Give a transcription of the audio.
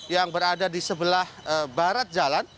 yang berada di sebelah barat jalan